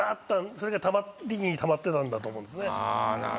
それがたまりにたまってたんだと思うんですね。